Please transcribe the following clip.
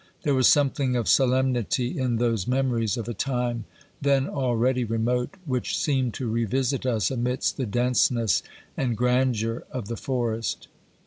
There was something of solemnity in those memories of a time, then already remote, which seemed to revisit us amidst the denseness and grandeur of the, forest.